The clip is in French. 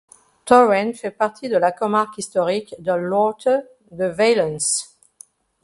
Torrent fait partie de la comarque historique de l'Horta de Valence.